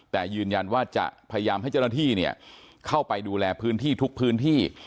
แต่ยืนยันว่าจะพยายามให้เจ้าหน้าที่เข้าไปดูแลพื้นที่ทุกพื้นที่